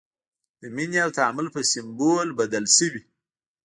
د مینې او تعامل په سمبول بدل شوی.